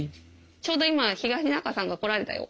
ちょうど今東仲さんが来られたよ。